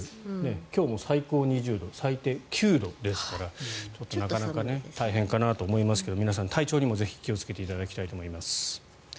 今日も最高２０度最低９度ですからちょっとなかなか大変かなと思いますけれど皆さん体調にもぜひ気をつけていただきたいと思います。